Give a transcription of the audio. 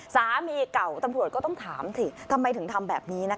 สามีเก่าตำรวจก็ต้องถามสิทำไมถึงทำแบบนี้นะคะ